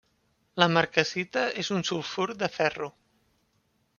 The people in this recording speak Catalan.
La marcassita és un sulfur de ferro.